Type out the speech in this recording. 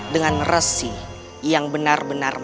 dengan resi yang benar benar